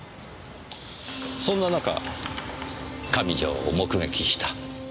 そんな中上条を目撃した。